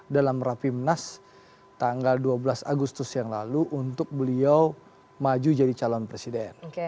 dalam rapimnas tanggal dua belas agustus yang lalu untuk beliau maju jadi calon presiden